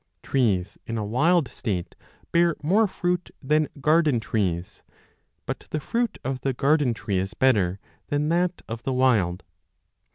Trees in a wild state bear more fruit than garden trees, but the fruit of the garden tree is better than that of the wild.